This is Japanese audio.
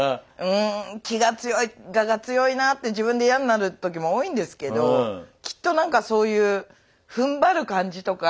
うん気が強い我が強いなって自分で嫌になる時も多いんですけどきっと何かそういうふんばる感じとか。